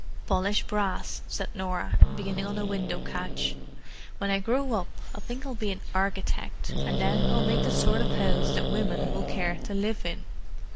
"Polish brass," said Norah, beginning on a window catch. "When I grow up I think I'll be an architect, and then I'll make the sort of house that women will care to live in."